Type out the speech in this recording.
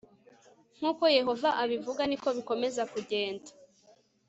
nk uko yehova abivuga niko bikomeza kugenda